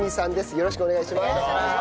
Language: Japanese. よろしくお願いします。